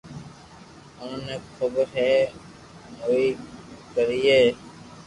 اوني خبر ھي اوئي ڪرئي